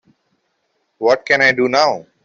what can I do now?